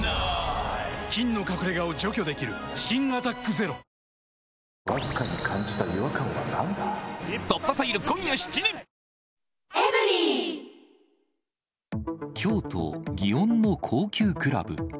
菌の隠れ家を除去できる新「アタックＺＥＲＯ」京都・祇園の高級クラブ。